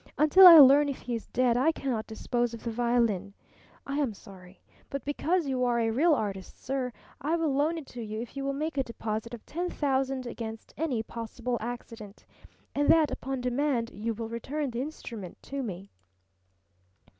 Until I learn if he is dead I cannot dispose of the violin. I am sorry. But because you are a real artist, sir, I will loan it to you if you will make a deposit of ten thousand against any possible accident, and that upon demand you will return the instrument to me."